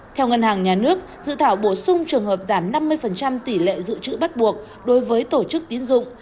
theo ngân hàng nhà nước dự thảo bổ sung trường hợp giảm năm mươi tỷ lệ dự trữ bắt buộc đối với tổ chức tiến dụng